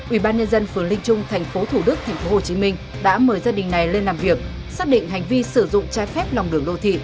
ubnd phường linh trung tp thủ đức tp hcm đã mời gia đình này lên làm việc xác định hành vi sử dụng trái phép lòng đường đô thị